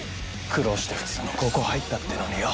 苦労して普通の高校入ったてのによ。